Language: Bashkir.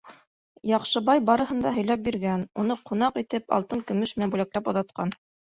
Яҡшыбай барыһын да һөйләп биргән, уны ҡунаҡ итеп, алтын-көмөш менән бүләкләп оҙатҡан.